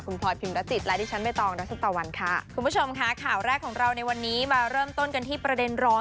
คุณพลอยพิมรจิตและดิฉันใบตองรัชตะวันค่ะคุณผู้ชมค่ะข่าวแรกของเราในวันนี้มาเริ่มต้นกันที่ประเด็นร้อน